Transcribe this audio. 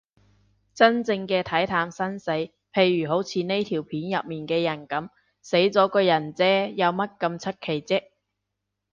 真正嘅睇淡生死，譬如好似呢條片入面嘅人噉，死咗個人嗟，有乜咁出奇啫